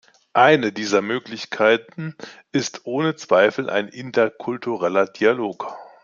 Eine dieser Möglichkeiten ist ohne Zweifel ein interkultureller Dialog.